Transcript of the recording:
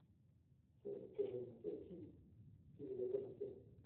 C'est que je ne sais si … si vous le connaissez.